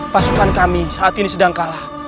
pasukan kami saat ini sedang kalah